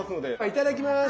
いただきます。